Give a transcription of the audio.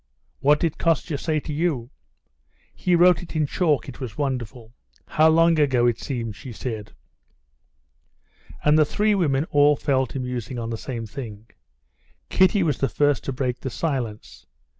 "What did Kostya say to you?" "He wrote it in chalk. It was wonderful.... How long ago it seems!" she said. And the three women all fell to musing on the same thing. Kitty was the first to break the silence.